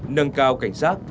nâng cao cảnh sát